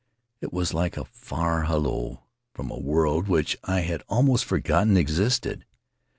It was like a far halloo from a world which I had almost forgotten existed.